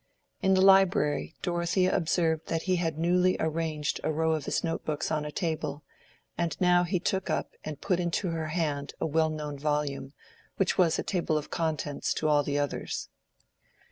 In the library Dorothea observed that he had newly arranged a row of his note books on a table, and now he took up and put into her hand a well known volume, which was a table of contents to all the others.